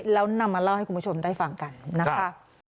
แล้วนำมาเล่าให้คุณผู้ชมได้ฟังกันนะคะ